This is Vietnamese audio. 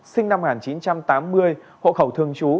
sinh năm một nghìn chín trăm tám mươi hộ khẩu thương chú